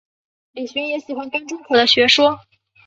李寻也喜欢甘忠可的学说。